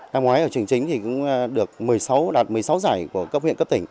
năm ngoái ở trường chính cũng đạt một mươi sáu giải của cấp huyện cấp tỉnh